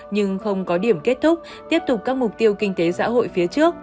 nhưng không có điểm kết thúc tiếp tục các mục tiêu kinh tế xã hội phía trước